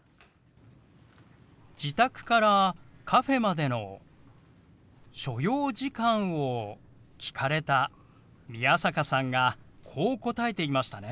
自宅からカフェまでの所要時間を聞かれた宮坂さんがこう答えていましたね。